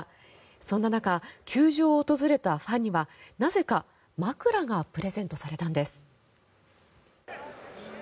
そんな中球場を訪れたファンにはなぜか枕がプレゼントされたんです。